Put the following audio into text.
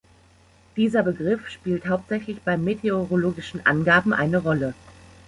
Dieser Begriff spielt hauptsächlich bei meteorologischen Angaben eine Rolle.